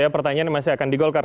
pertanyaan yang masih akan di golkar